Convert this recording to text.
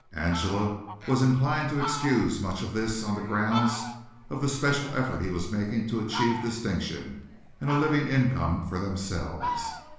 Angela was inclined to excuse much of this on the grounds of the special effort he was making to achieve distinction and a living income for themselves.